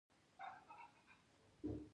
ایا مصنوعي ځیرکتیا د شخصي ازادۍ احساس نه کموي؟